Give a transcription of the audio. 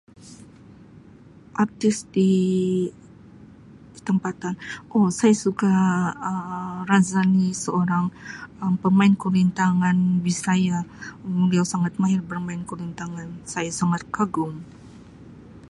Artis di tempatan, Um saya suka Um Razali, seorang Um pemain kulintangan Bisaya. Dia sangat mahir bermain kulintangan, saya sangat kagum.